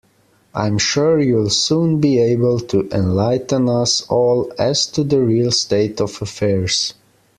I'm sure you'll soon be able to enlighten us all as to the real state of affairs.